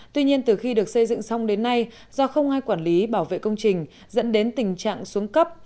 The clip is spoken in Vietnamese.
tuy nhiên từ khi được xây dựng xong đến nay do không ai quản lý bảo vệ công trình dẫn đến tình trạng xuống cấp